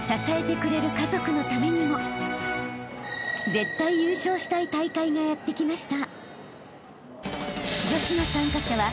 ［絶対優勝したい大会がやって来ました］